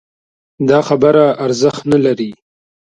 دا خبره ارزښت نه لري